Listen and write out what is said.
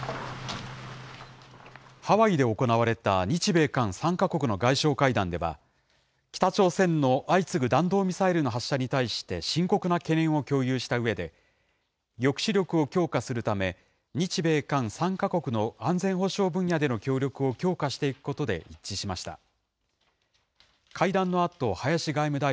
ハワイで行われた日米韓３か国の外相会談では、北朝鮮の相次ぐ弾道ミサイルの発射に対して深刻な懸念を共有したうえで、抑止力を強化するため、日米韓３か国の安全保障分野での協力を強化していくことで一致しました。